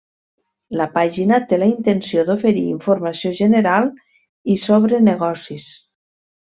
La pàgina té la intenció d'oferir informació general i sobre negocis.